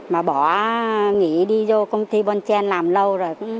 mà bỏ nghỉ đi vô công ty bonchan làm lâu rồi